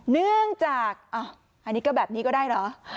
เนื่องจากอันนี้ก็แบบนี้ก็ได้เหรอ